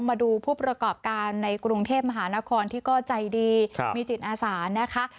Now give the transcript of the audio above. มาดูผู้ประกอบการในกรุงเทพมหานครที่ก็ใจดีมีจิตอาสานะคะ